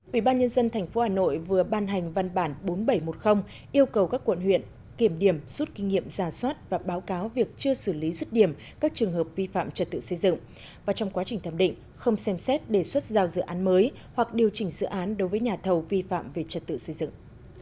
ủy ban nhân dân tp hà nội vừa ban hành văn bản bốn nghìn bảy trăm một mươi yêu cầu các quận huyện kiểm điểm suốt kinh nghiệm giả soát và báo cáo việc chưa xử lý rứt điểm các trường hợp vi phạm trật tự xây dựng và trong quá trình thẩm định không xem xét đề xuất giao dự án mới hoặc điều chỉnh dự án đối với nhà thầu vi phạm về trật tự xây dựng